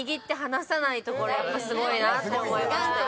すごいなと思いました。